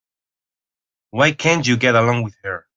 Why can't you get along with her?